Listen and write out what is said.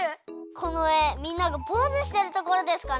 このえみんながポーズしてるところですかね？